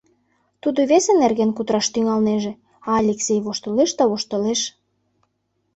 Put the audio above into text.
Тудо весе нерген кутыраш тӱҥалнеже, а Алексей воштылеш да воштылеш.